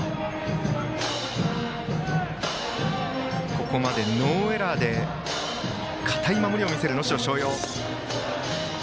ここまでノーエラーで堅い守りを見せる能代松陽。